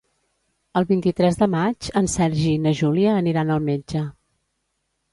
El vint-i-tres de maig en Sergi i na Júlia aniran al metge.